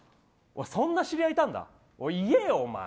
そんな知り合いいたんだいえよ、お前！